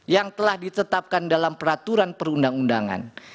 yang telah ditetapkan dalam peraturan perundang undangan